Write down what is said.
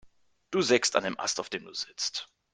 Du sägst an dem Ast, auf dem du sitzt.